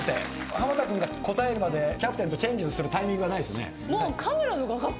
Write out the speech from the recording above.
濱田君が答えるまでキャプテンとチェンジをするタイミングがないですね。